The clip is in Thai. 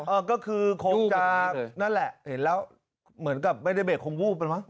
เออก็คือคงจะนั่นแหละเห็นแล้วเหมือนกับไม่ได้เบรกคงวูบไปมั้